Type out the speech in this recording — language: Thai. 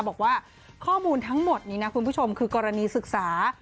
บอกว่าข้อมูลทั้งหมดนี้นะคุณผู้ชมคือกรณีศึกษา